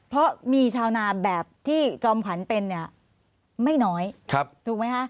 เพราะมีชาวนาแบบที่จอมขวัญเป็นเนี่ยไม่น้อยถูกไหมคะ